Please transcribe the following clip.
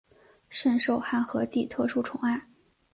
甚受汉和帝特殊宠爱。